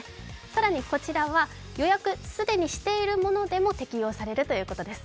更にこちらは予約、既にしているものでも適用されるということです。